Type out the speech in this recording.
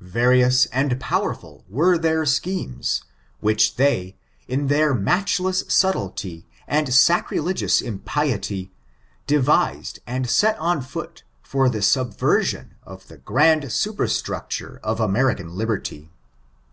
Various and powerful were their schemes which they, in their matchless subtlety and saeiile^ous impiety, devised and set on foot for the subversion of the grand super structure of American Liberty.